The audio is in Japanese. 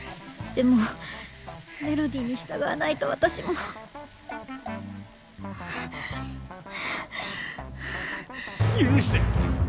でもメロディーに従わないと私も許して。